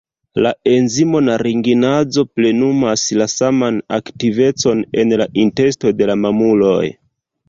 La enzimo "naringinazo" plenumas la saman aktivecon en la intesto de la mamuloj.